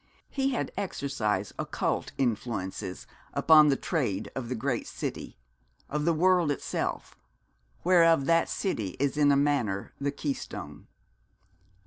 He had exercised occult influences upon the trade of the great city, of the world itself, whereof that city is in a manner the keystone.